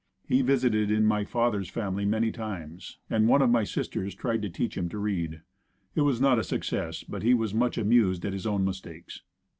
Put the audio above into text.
He visited in my father's family many times and one of my sisters tried to teach him to read. It was not a success but he was much amused at his own mistakes.